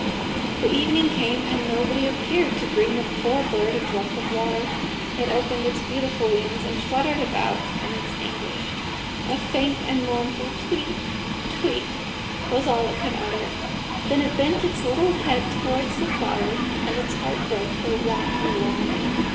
The evening came, and nobody appeared to bring the poor bird a drop of water; it opened its beautiful wings, and fluttered about in its anguish; a faint and mournful "Tweet, tweet," was all it could utter, then it bent its little head towards the flower, and its heart broke for want and longing.